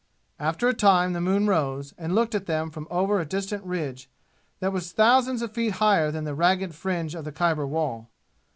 After a time the moon rose and looked at them from over a distant ridge that was thousands of feet higher than the ragged fringe of Khyber wall.